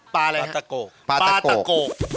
ปลาตะโกก